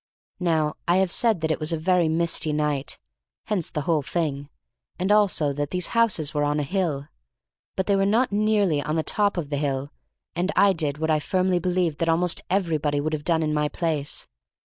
Now, I have said that it was a very misty night (hence the whole thing), and also that these houses were on a hill. But they were not nearly on the top of the hill, and I did what I firmly believe that almost everybody would have done in my place.